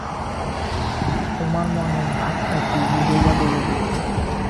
তোমার মনের ভাবটা কী বুঝাইয়া বলো দেখি।